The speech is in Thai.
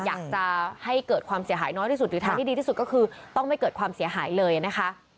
อยากจะให้เกิดความเสียหายน้อยที่สุดหรือทางที่ดีที่สุดก็คือต้องไม่เกิดความเสียหายเลยนะคะ